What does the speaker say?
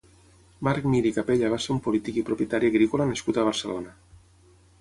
Marc Mir i Capella va ser un polític i propietari agrícola nascut a Barcelona.